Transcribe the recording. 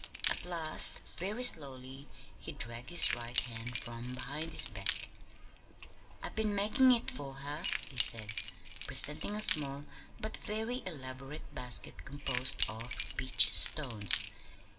At last, very slowly he dragged his right hand from behind his back. "I been makin' it for her," he said, presenting a small, but very elaborate basket composed of peach stones.